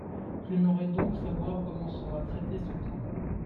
J’aimerais donc savoir comment sera traité ce point.